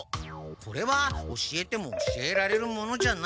これは教えても教えられるものじゃない。